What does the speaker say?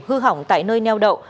hư hỏng tại nơi neo đậu